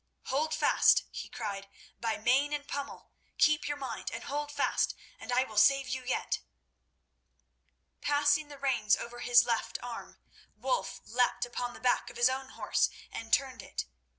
"Hold fast!" he cried, "by mane and pommel. Keep your mind, and hold fast, and I will save you yet." Passing the reins over his left arm, Wulf leapt upon the back of his own horse, and turned it.